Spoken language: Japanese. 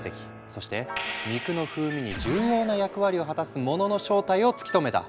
そして肉の風味に重要な役割を果たすものの正体を突き止めた。